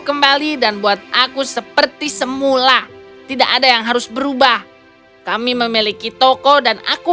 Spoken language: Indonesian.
kembali dan buat aku seperti semula tidak ada yang harus berubah kami memiliki toko dan aku